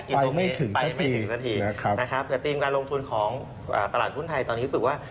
กิโลเมตรไปไม่ถึงนาทีนะครับแต่ทีมการลงทุนของตลาดหุ้นไทยตอนนี้รู้สึกว่า